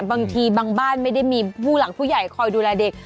บางทีบางบ้านไม่ได้มีผู้หลักผู้ใหญ่คอยดูแลเด็ก